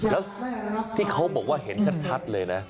แล้วที่เขาบอกว่าเห็นชัดเลยนะ